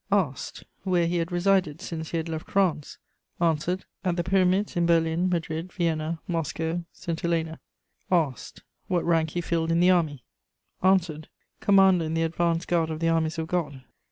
Asked: Where he had resided since he had left France? Answered: At the Pyramids, in Berlin, Madrid, Vienna, Moscow, St Helena. Asked: What rank he filled in the army? Answered: Commander in the advance guard of the armies of God.